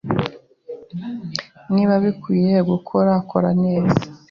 Niba bikwiye gukora, kora neza.